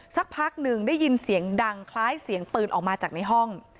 สักพักหนึ่งได้ยินเสียงดังคล้ายเสียงปืนออกมาจากในห้อง